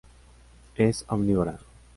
Es omnívora.